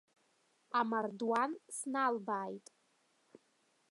Амардуан сналбааит.